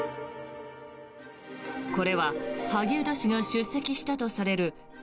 これは萩生田氏が出席したとされる